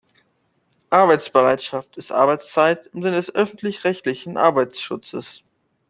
Arbeitsbereitschaft ist Arbeitszeit im Sinne des öffentlich-rechtlichen Arbeitsschutzes.